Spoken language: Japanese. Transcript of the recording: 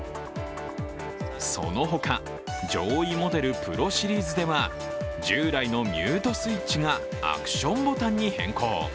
そのほか、上位モデル、Ｐｒｏシリーズでは従来のミュートスイッチがアクションボタンに変更。